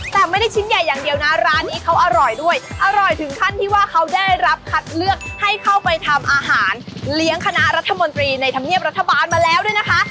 แต่ไม่ได้ชิ้นใหญ่อย่างเดียวนะร้านนี้เขาอร่อยด้วยอร่อยถึงขั้นที่ว่าเขาได้รับคัดเลือกให้เข้าไปทำอาหารเลี้ยงคณะรัฐมนตรีในธรรมเนียบรัฐบาลมาแล้วด้วยนะคะ